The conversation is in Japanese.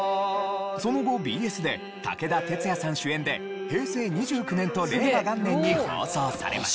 その後ＢＳで武田鉄矢さん主演で平成２９年と令和元年に放送されました。